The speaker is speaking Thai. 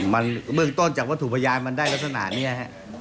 มีเมื่อต้นจากทุพยานมันได้ลักษณะเนี่ย